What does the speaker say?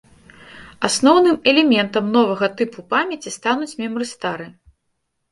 Асноўным элементам новага тыпу памяці стануць мемрыстары.